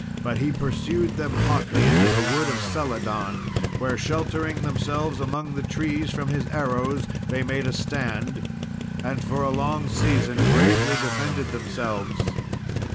But he pursued them hotly into the wood of Celidon, where, sheltering themselves among the trees from his arrows, they made a stand, and for a long season bravely defended themselves.